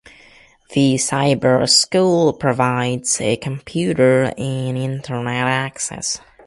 The cyber school provides a computer and internet access.